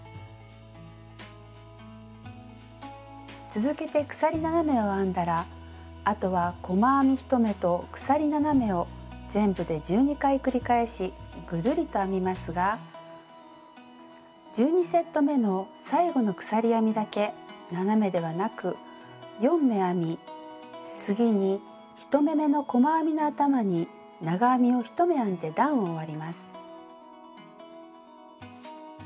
続けて鎖７目を編んだらあとは細編み１目と鎖７目を全部で１２回繰り返しぐるりと編みますが１２セットめの最後の鎖編みだけ７目ではなく４目編み次に１目めの細編みの頭に長編みを１目編んで段を終わります。